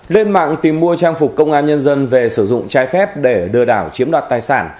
lên mạng tìm mua trang phục công an nhân dân về sử dụng trái phép để lừa đảo chiếm đoạt tài sản